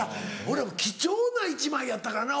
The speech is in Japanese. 俺ら貴重な１枚やったからな